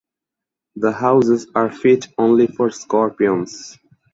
The houses are fit only for scorpions.